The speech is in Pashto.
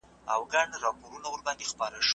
د فیسبوک پر پاڼو باندي مي